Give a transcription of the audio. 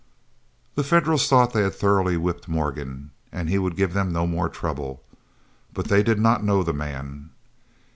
The Federals thought they had thoroughly whipped Morgan, and he would give them no more trouble. But they did not know the man.